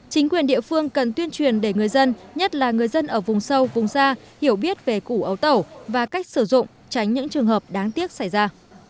chính quyền địa phương cần tuyên truyền để người dân nhất là người dân ở vùng sâu vùng xa hiểu biết về củ ấu tẩu và cách sử dụng tránh những trường hợp đáng tiếc xảy ra